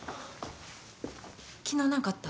昨日何かあった？